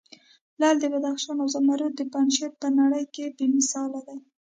لعل د بدخشان او زمرود د پنجشیر په نړې کې بې مثال دي.